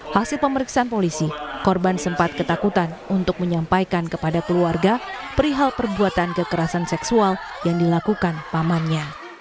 hasil pemeriksaan polisi korban sempat ketakutan untuk menyampaikan kepada keluarga perihal perbuatan kekerasan seksual yang dilakukan pamannya